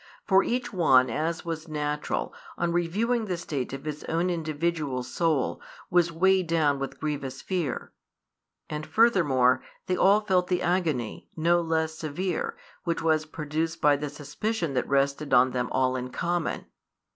For each one, as was natural, on reviewing the state of his own individual soul, was weighed down with grievous fear; and furthermore, they all felt the agony, no less severe, which was produced by the suspicion that rested on them all in common.